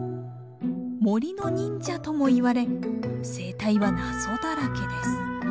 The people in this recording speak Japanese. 森の忍者ともいわれ生態は謎だらけです。